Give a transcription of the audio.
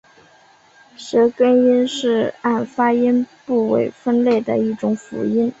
舌根音是按发音部位分类的一类辅音。